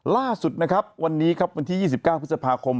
ล่าสุดนะครับวันนี้ครับวันที่๒๙พฤษภาคม